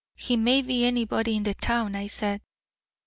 He may be anybody in town," I said.